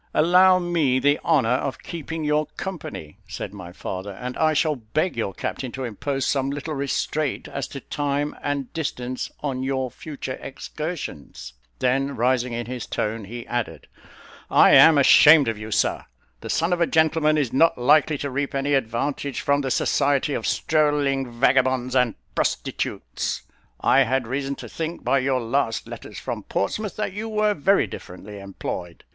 "Allow me the honour of keeping your company," said my father; "and I shall beg your captain to impose some little restraint as to time and distance on your future excursions." Then rising in his tone, he added, "I am ashamed of you, sir; the son of a gentleman is not likely to reap any advantage from the society of strolling vagabonds and prostitutes. I had reason to think, by your last letters from Portsmouth, that you were very differently employed."